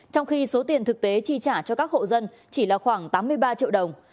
trong khi số tiền thực tế chi trả cho các hộ dân chỉ là khoảng tám mươi ba triệu đồng